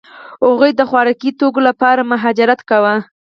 هغوی د خوراکي توکو لپاره مهاجرت کاوه.